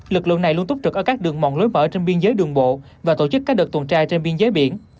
lực lượng này luôn túc trực ở các đường mòn lối mở trên biên giới đường bộ và tổ chức các đợt tuần tra trên biên giới biển